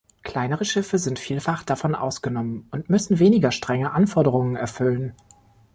Kleinere Schiffe sind vielfach davon ausgenommen und müssen weniger strenge Anforderungen erfüllen.